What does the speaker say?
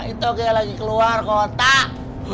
itu kayak lagi keluar kotak